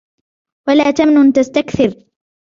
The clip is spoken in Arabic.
ولا تمنن تستكثر